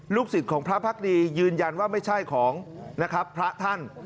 ลูกศิษย์ของพระพักดียืนยันว่าไม่ใช่ของพระท่าน